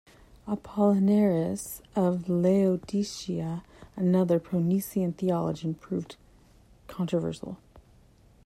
Apollinaris of Laodicea, another pro-Nicene theologian, proved controversial.